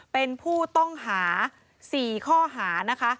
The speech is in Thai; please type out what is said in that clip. เป็นผู้ต้องหา๔ข้อหานะคะ